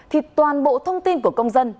thì toàn bộ thông tin của công dân